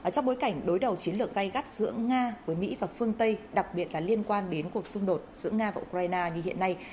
trong bối cảnh đối đầu chiến lược gây gắt giữa nga với mỹ và phương tây đặc biệt là liên quan đến cuộc xung đột giữa nga và ukraine như hiện nay